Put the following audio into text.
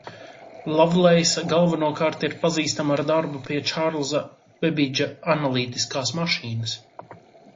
Lavleisa galvenokārt ir pazīstama ar darbu pie Čārlza Bebidža analītiskās mašīnas.